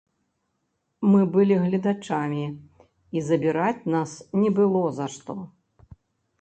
Мы былі гледачамі і забіраць нас не было за што.